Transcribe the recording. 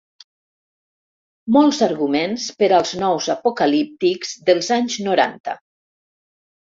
Molts arguments per als nous apocalíptics dels anys noranta.